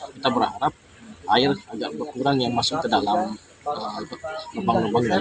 kita berharap air agak berkurang yang masuk ke dalam lembang lembang air